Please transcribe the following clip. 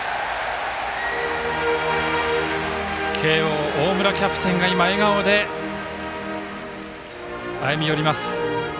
慶応大村キャプテンが今、笑顔で歩み寄ります。